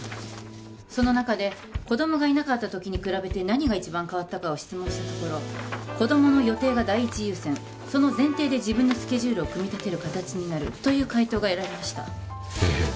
その中で子供がいなかった時に比べて何が一番変わったかを質問したところ子供の予定が第一優先その前提で自分のスケジュールを組み立てるという回答が得られましたへえ